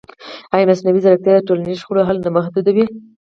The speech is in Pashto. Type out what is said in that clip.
ایا مصنوعي ځیرکتیا د ټولنیزو شخړو حل نه محدودوي؟